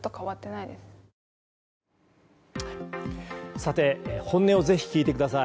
さて本音をぜひ聞いてください。